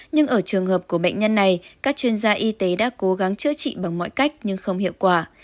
nhưng ở trường hợp của bệnh nhân này các chuyên gia y tế đã cố gắng chữa trị bằng mọi cách nhưng không hiệu quả